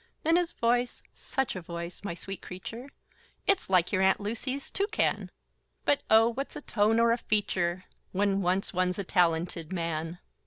Then his voice, such a voice! my sweet creature, It's like your Aunt Lucy's toucan: But oh! what's a tone or a feature, When once one's a talented man?